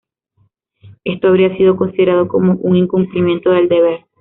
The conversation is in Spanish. Esto habría sido considerado como un incumplimiento del deber.